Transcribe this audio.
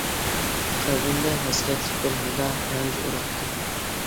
قەلبىمدە ھەسرەتلىك بىر نىدا مەۋج ئۇراتتى.